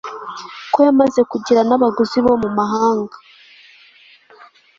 ko yamaze kugira n'abaguzi bo mu mahanga